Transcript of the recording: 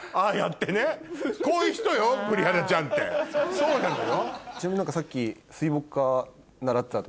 そうなのよ。